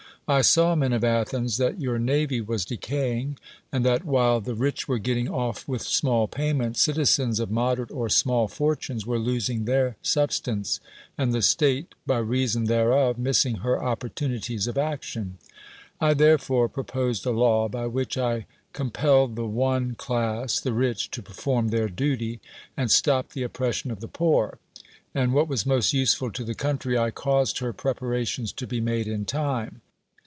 I saw, men of Athens, that your navy was decaying, and that, while the rich were getting off with small payments, citi zens of moderate or small fortunes were losing thfir substance, and the state, by reason thereof, missing her opportunities of action. T. therefore, proposed a law, by whi(!h I compelled the one ir> > THE WORLD'S FAMOUS ORATIONS class (the rich) to perform their duty, and stopped the oppression of the poor; and — what was most useful to the country — I caused her preparations to be made in time.